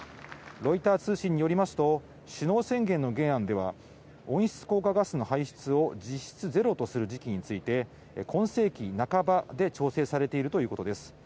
ロイター通信によりますと首脳宣言の原案では温室効果ガスの排出を実質ゼロとする時期について今世紀半ばで調整されているということです。